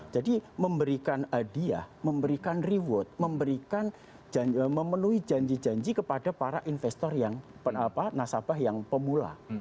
jadi memberikan hadiah memberikan reward memberikan memenuhi janji janji kepada para investor yang nasabah yang pemula